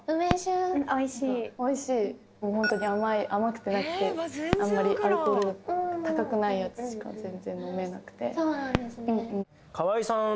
おいしい本当に甘い甘くてなんかこうあんまりアルコールが高くないやつしか全然飲めなくてそうなんですね